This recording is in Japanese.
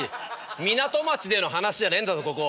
港町での話じゃねえんだぞここ。